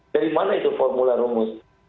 dari mana itu formula rumus